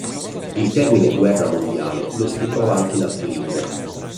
Il termine "guerra mondiale" lo si ritrova anche in altre lingue.